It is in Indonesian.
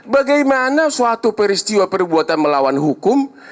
bagaimana suatu peristiwa perbuatan melawan hukum